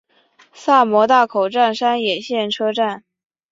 萨摩大口站山野线车站。